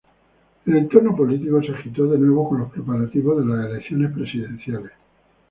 El entorno político se agitó de nuevo con los preparativos de las elecciones presidenciales.